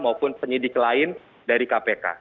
maupun penyidik lain dari kpk